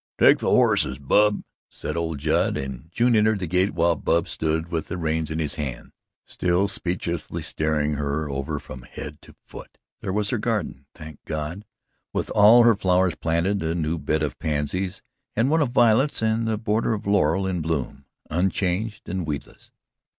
"Take the horses, Bub," said old Judd, and June entered the gate while Bub stood with the reins in his hand, still speechlessly staring her over from head to foot. There was her garden, thank God with all her flowers planted, a new bed of pansies and one of violets and the border of laurel in bloom unchanged and weedless.